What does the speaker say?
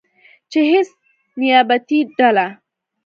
چې هیڅ نیابتي ډله